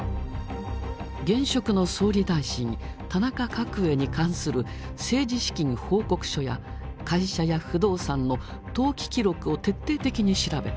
現職の総理大臣田中角栄に関する政治資金報告書や会社や不動産の登記記録を徹底的に調べ